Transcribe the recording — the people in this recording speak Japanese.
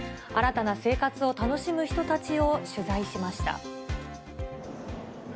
新たな生活を楽しむ人たちを取材しました。